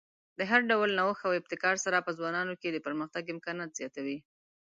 د هر ډول نوښت او ابتکار سره په ځوانانو کې د پرمختګ امکانات زیاتوي.